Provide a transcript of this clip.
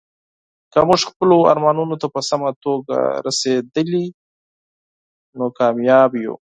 که موږ خپلو ارمانونو ته په سمه توګه رسیدلي، نو کامیاب یو.